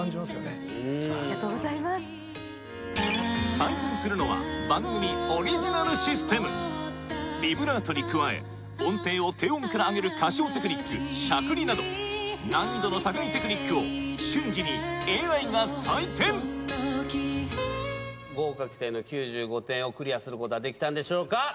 採点するのは番組オリジナルシステムビブラートに加え音程を低音から上げる歌唱テクニックしゃくりなど難易度の高いテクニックを瞬時にＡＩが採点合格点の９５点クリアすることはできたんでしょうか？